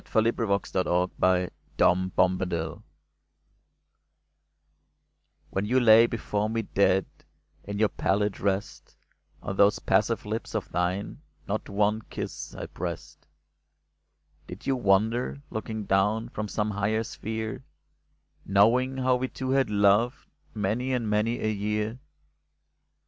— The bird cried, " Christus I " THE KISS When you lay before me dead, In your pallid rest, On those passive lips of thine Not one kiss I pressed I Did you wonder — looking down From some higher sphere — Knowing how we two had loved Many and many a year